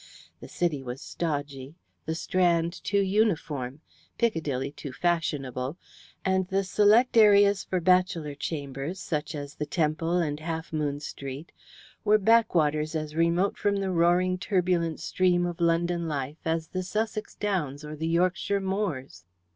The City was stodgy, the Strand too uniform, Piccadilly too fashionable, and the select areas for bachelor chambers, such as the Temple and Half Moon Street, were backwaters as remote from the roaring turbulent stream of London life as the Sussex Downs or the Yorkshire Moors.